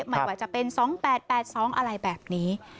ไม่ว่าจะเป็น๒๘๘๒อะไรแบบนี้